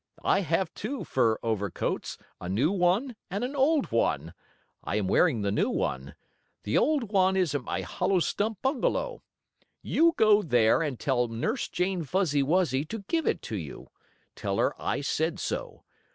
"I have two fur overcoats, a new one and an old one. I am wearing the new one. The old one is at my hollow stump bungalow. You go there and tell Nurse Jane Fuzzy Wuzzy to give it to you. Tell her I said so.